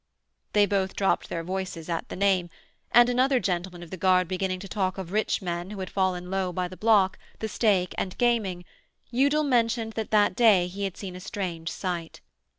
They both dropped their voices at the name, and, another gentleman of the guard beginning to talk of rich men who had fallen low by the block, the stake, and gaming, Udal mentioned that that day he had seen a strange sight.